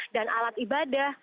dan alat ibadah